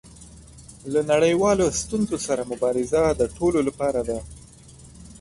له نړیوالو ستونزو سره مبارزه د ټولو لپاره ده.